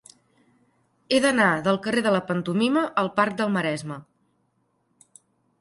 He d'anar del carrer de la Pantomima al parc del Maresme.